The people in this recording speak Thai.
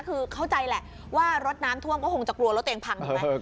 คือเข้าใจแหละว่ารถน้ำท่วมก็คงจะกลัวรถตัวเองพังเห็นไหม